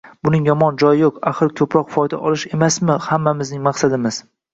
Buning yomon joyi yo‘q, axir, ko‘proq foyda olish emasmi hammamizning maqsadimiz?